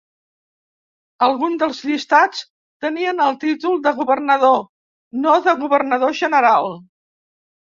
Alguns dels llistats tenien el títol de Governador, no de Governador General.